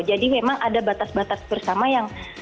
jadi memang ada batas batas bersama yang